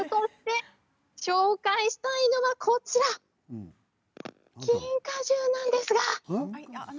紹介したいのはこちらキンカジューなんですが。